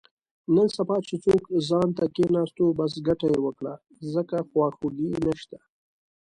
نن سبا چې څوک ځانته کېناستو، بس ګټه یې وکړه، ځکه خواخوږی نشته.